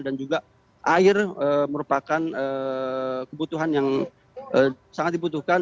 dan juga air merupakan kebutuhan yang sangat dibutuhkan